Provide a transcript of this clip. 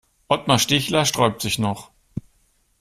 Otmar Stichler sträubt sich noch.